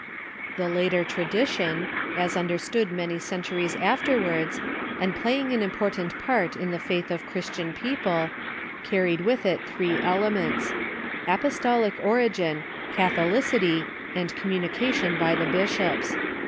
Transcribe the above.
The later tradition, as understood many centuries after wards, and playing an important part in the faith of Christian people, carried with it three elements: Apostolic origin, cath 60 THE EARLY CHURCH olicity, and communication by the bishops.